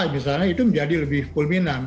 misalnya itu menjadi lebih kulminam